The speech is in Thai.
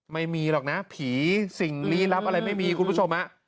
ไม่มีหรอกนะผีสิ่งลี้ลับอะไรไม่มีคุณผู้ชม